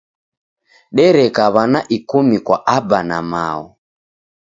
Dereka w'ana ikumi kwa Aba na Mao.